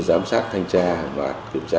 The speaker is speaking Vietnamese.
giám sát thanh tra và kiểm tra